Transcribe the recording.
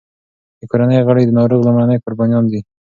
د کورنۍ غړي د ناروغ لومړني قربانیان دي.